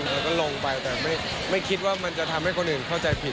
แล้วก็ลงไปแต่ไม่คิดว่ามันจะทำให้คนอื่นเข้าใจผิด